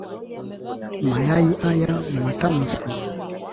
Mayai haya ni matamu sana.